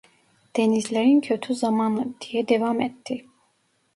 "Denizlerin kötü zamanı…" diye devam etti…